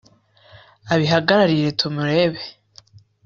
abihagararire tumurebe